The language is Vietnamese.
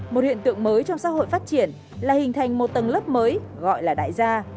một hiện tượng mới trong xã hội phát triển là hình thành một tầng lớp mới gọi là đại gia